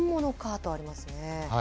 とありますね。